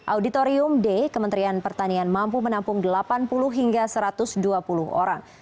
auditorium d kementerian pertanian mampu menampung delapan puluh hingga satu ratus dua puluh orang